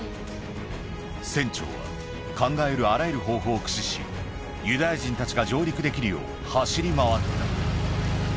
船長は、考えるあらゆる方法を駆使し、ユダヤ人たちが上陸できるよう走り回った。